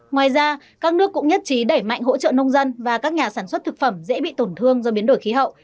ngoài ra các nước cũng nhất trí đẩy mạnh hỗ trợ nông dân và các nhà sản xuất thực phẩm dễ bị tổn thương do biến đổi khí hậu